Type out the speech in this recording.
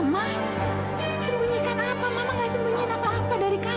mama gak sembunyikan apa apa dari kamu